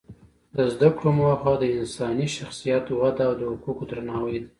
د زده کړو موخه انساني شخصیت وده او د حقوقو درناوی دی.